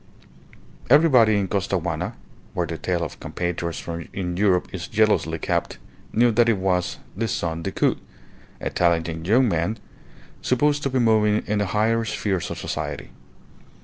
Everybody in Costaguana, where the tale of compatriots in Europe is jealously kept, knew that it was "the son Decoud," a talented young man, supposed to be moving in the higher spheres of Society.